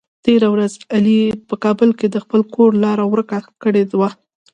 تېره ورځ علي په کابل کې د خپل کور لاره ور که کړې وه.